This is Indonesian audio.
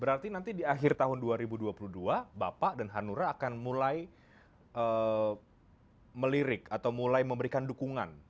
berarti nanti di akhir tahun dua ribu dua puluh dua bapak dan hanura akan mulai melirik atau mulai memberikan dukungan